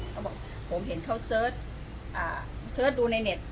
เขาบอกผมเห็นเขาเสิร์ชเสิร์ชดูในเน็ต